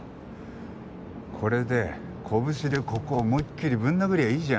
これで拳でここを思いっきりぶん殴りゃいいじゃん。